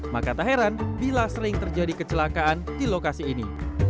maka tak heran bila sering terjadi kecelakaan di lokasi ini